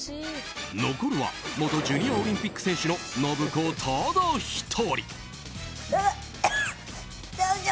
残るは元ジュニアオリンピック選手の信子ただ１人。